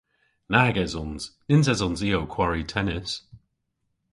Nag esons. Nyns esons i ow kwari tennis.